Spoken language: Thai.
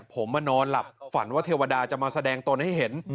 ผมมานอนหลับฝันว่าเทวดาจะมาแสดงตนให้เห็น